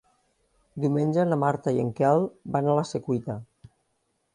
Diumenge na Marta i en Quel van a la Secuita.